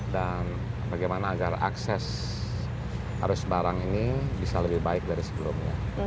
dan bagaimana agar akses arus barang ini bisa lebih baik dari sebelumnya